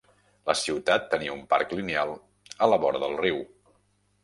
La ciutat tenia un parc lineal a la vora del riu.